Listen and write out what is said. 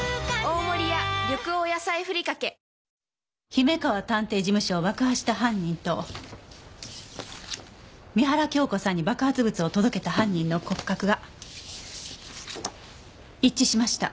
姫川探偵事務所を爆破した犯人と三原京子さんに爆発物を届けた犯人の骨格が一致しました